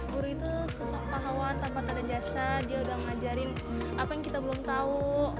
guru itu susah pahawa tanpa tanda jasa dia udah ngajarin apa yang kita belum tau